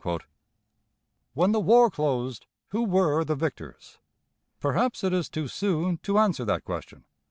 When the war closed, who were the victors? Perhaps it is too soon to answer that question.